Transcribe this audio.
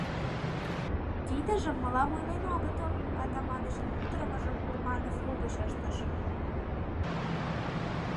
Тидыжым мылам ойлен огытыл, — Атаманычын кутырымыжым Урманов лугыч ыштыш.